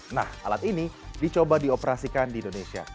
nah alat ini dicoba dioperasikan di indonesia